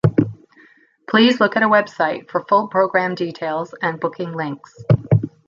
Please look at website for full programme details and booking links.